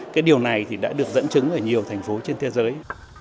cái điều này thì đã được dẫn chứng ở nhiều thành phố trên thế giới